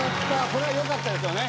これは良かったですよね。